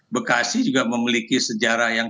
bekasi juga memiliki sejarah yang